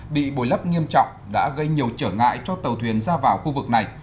bị bồi lấp nghiêm trọng đã gây nhiều trở ngại cho tàu thuyền ra vào khu vực này